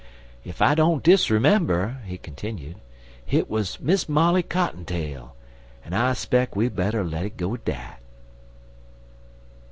Ef I don't disremember," he continued, "hit wuz Miss Molly Cottontail, en I speck we better let it go at dat."